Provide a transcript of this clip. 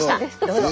どうぞ。